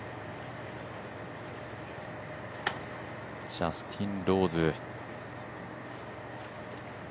ジャスティン・ローズ。